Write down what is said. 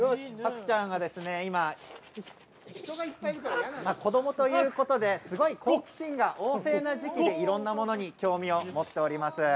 ハクちゃんは子どもということですごい好奇心が旺盛な時期でいろんなものに興味を持っております。